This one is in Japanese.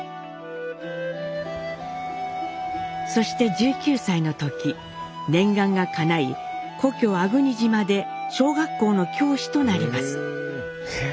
そして１９歳の時念願がかない故郷粟国島で小学校の教師となります。